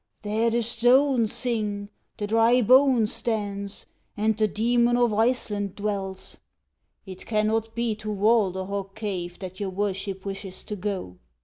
There the stones sing, the dry bones dance, and the demon of Iceland dwells ; it cannot be to Walderhog cave that your worship wishes to go